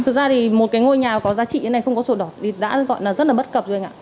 thực ra thì một cái ngôi nhà có giá trị như thế này không có sổ đỏ thì đã gọi là rất là bất cập rồi ạ